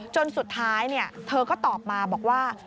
จนสุดท้ายเธอก็ตอบมาบอกว่า